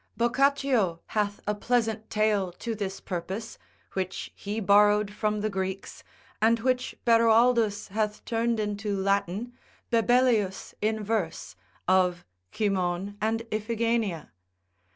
Boccaccio hath a pleasant tale to this purpose, which he borrowed from the Greeks, and which Beroaldus hath turned into Latin, Bebelius in verse, of Cymon and Iphigenia.